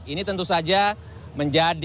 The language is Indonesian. ini tentu saja menjadi